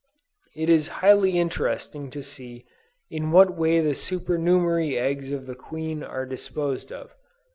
It is highly interesting to see in what way the supernumerary eggs of the queen are disposed of.